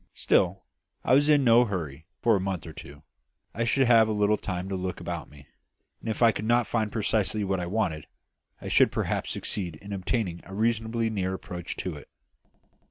Still, I was in no hurry for a month or two; I should have a little time to look about me; and if I could not find precisely what I wanted, I should perhaps succeed in obtaining a reasonably near approach to it.